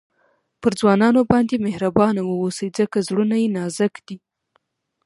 پر ځوانانو باندي مهربانه واوسئ؛ ځکه زړونه ئې نازک دي.